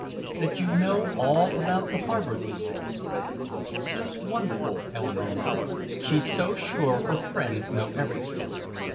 "That you know all about the harbor these days." "Sue's wonderful," Eleanore murmured. "She's so sure her friends know everything."